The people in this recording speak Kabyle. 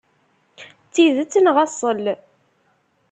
D tidet neɣ aṣṣel?